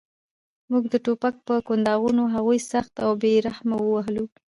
موږ د ټوپک په کنداغونو هغوی سخت او بې رحمه ووهل